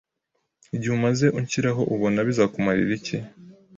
Igihe umaze unshyiraho ubona bizakumarira iki